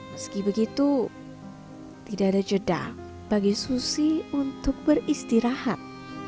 meski begitu tidak ada jeda bagi susi untuk beristirahat